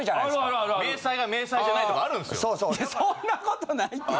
そんなことないって。